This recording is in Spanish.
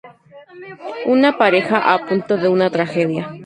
Una pareja a punto de una tragedia.